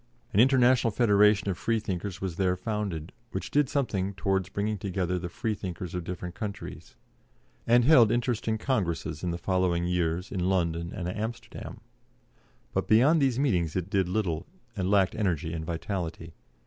An International Federation of Freethinkers was there founded, which did something towards bringing together the Freethinkers of different countries, and held interesting congresses in the following years in London and Amsterdam; but beyond these meetings it did little, and lacked energy and vitality.